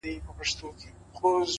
د قرآن دېرسو سېپارو ته چي سجده وکړه _